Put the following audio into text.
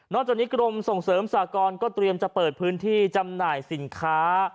จากนี้กรมส่งเสริมสากรก็เตรียมจะเปิดพื้นที่จำหน่ายสินค้า